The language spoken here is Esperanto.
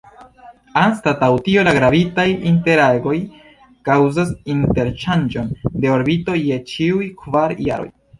Anstataŭ tio, la gravitaj interagoj kaŭzas interŝanĝon de orbito je ĉiuj kvar jaroj.